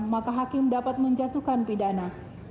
maka hakim dapat menjatuhkan pidana